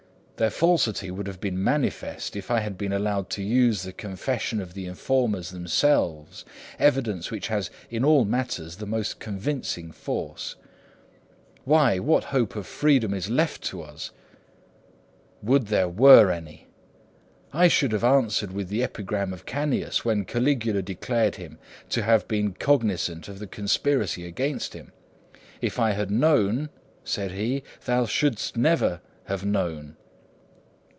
Their falsity would have been manifest, if I had been allowed to use the confession of the informers themselves, evidence which has in all matters the most convincing force. Why, what hope of freedom is left to us? Would there were any! I should have answered with the epigram of Canius when Caligula declared him to have been cognisant of a conspiracy against him. "If I had known," said he, "thou shouldst never have known."